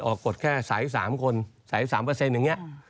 กฎแค่สาย๓คนสาย๓อย่างนี้